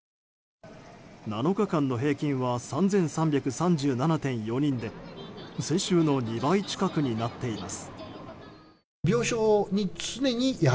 ７日間の平均は３３３７．４人で先週の２倍近くになっています。